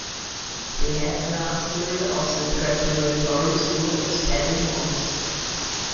The Headmaster of the Preparatory School is Paddy Moss.